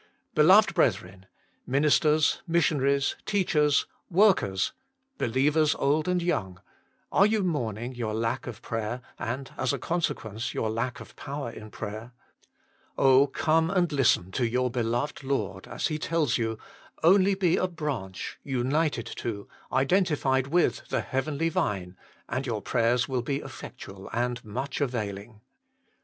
Beloved brethren, ministers, missionaries, teachers, workers, believers old and young, are you mourning your lack of prayer, and, as a conse quence, your lack of power in prayer ? Oh! come and listen to your beloved Lord as He tells you, " only be a branch, united to, identified with, the Heavenly Vine, and your prayers will be effectual and much availing."